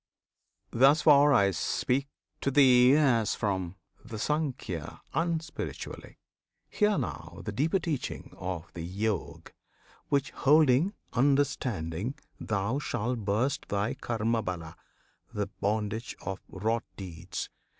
Thus far I speak to thee As from the "Sankhya" unspiritually Hear now the deeper teaching of the Yog, Which holding, understanding, thou shalt burst Thy Karmabandh, the bondage of wrought deeds.